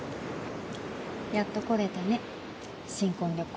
やっと来れたね新婚旅行。